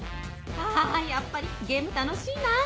「あやっぱりゲーム楽しいな！」。